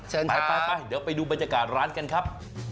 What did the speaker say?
ไปเดี๋ยวไปดูบรรยากาศร้านกันครับ